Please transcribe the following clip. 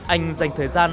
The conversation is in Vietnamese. anh dành thời gian